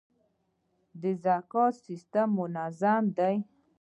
د زکات سیستم منظم دی؟